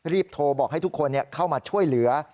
รีบโทรบอกให้ทุกคนเข้ามาช่วยเหลือ